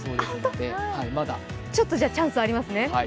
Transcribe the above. じゃあちょっとチャンスありますね。